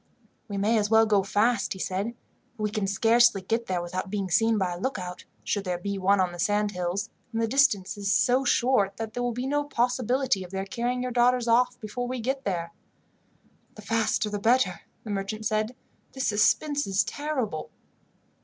"We may as well go fast," he said, "for we can scarcely get there without being seen by a lookout, should there be one on the sand hills, and the distance is so short that there will be no possibility of their carrying your daughters off, before we get there." "The faster the better," the merchant said. "This suspense is terrible."